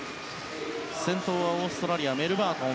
先頭はオーストラリアのメルバートン。